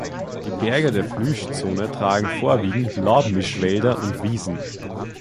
Die Berge der Flyschzone tragen vorwiegend Laubmischwälder und Wiesen.